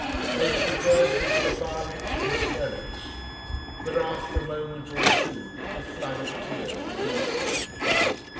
Then she burst into the violence of hysterics, but after a moment or two a flood of tears relieved her.